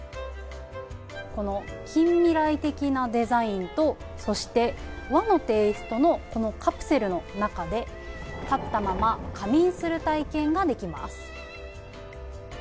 この近未来的なデザインとそして、和のテイストのこのカプセルの中で立ったまま仮眠する体験ができます。